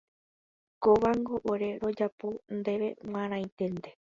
Kóvango ore rojapo ndéve g̃uarãiténte.